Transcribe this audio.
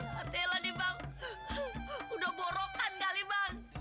hati ella dia bang udah borokan kali bang